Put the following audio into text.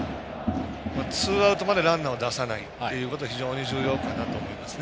ツーアウトまでランナーを出さないっていうこと非常に重要かなと思いますね。